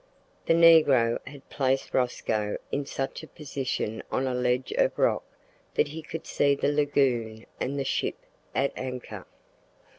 The negro had placed Rosco in such a position on a ledge of rock that he could see the lagoon and the ship at anchor.